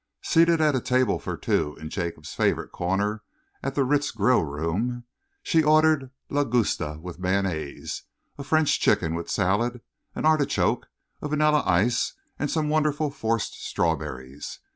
Seated at a table for two in Jacob's favourite corner at the Ritz grill room, she ordered langouste with mayonnaise, a French chicken with salad, an artichoke, a vanilla ice, and some wonderful forced strawberries.